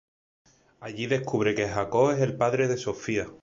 Allí descubre que Jacob es el padre de Sofia.